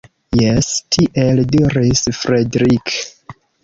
Jes, tiel diris Fredrik!